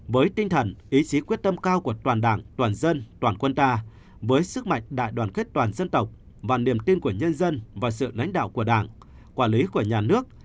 với tinh thần ý chí quyết tâm cao của toàn đảng toàn dân toàn quân ta với sức mạnh đại đoàn kết toàn dân tộc và niềm tin của nhân dân và sự lãnh đạo của đảng quản lý của nhà nước